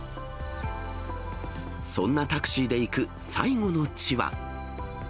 そんなタクシーで行く最後の地は。